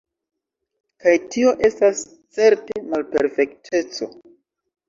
Kaj tio estas certe malperfekteco.